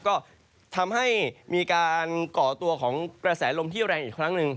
ก็ทำให้มีการก่อตัวของกระแสลมที่แรงอีกครั้งหนึ่ง